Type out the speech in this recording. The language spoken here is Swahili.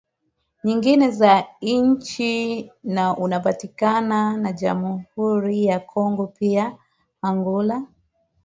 nyingine za nchi na unapakana na Jamhuri ya Kongo pia Angola